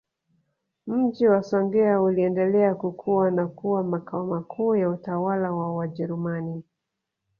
Mji wa Songea uliendelea kukua na kuwa Makao makuu ya utawala wa Wajerumani